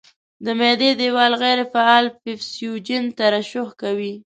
د معدې دېوال غیر فعال پیپسوجین ترشح کوي.